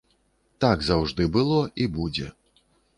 Так заўжды было і будзе.